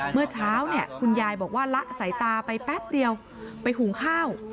เมื่อเช้าเนี่ยคุณยายบอกว่าละสายตาไปแป๊บเดียวไปหุงข้าว